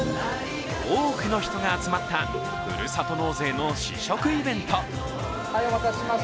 多くの人が集まったふるさと納税の試食イベント。